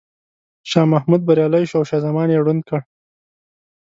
شاه محمود بریالی شو او شاه زمان یې ړوند کړ.